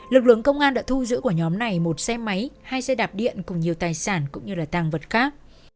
lực lượng công an đã thu giữ của nhóm này một xe máy hai xe đạp điện cùng nhiều tài sản cũng như là tăng vật khác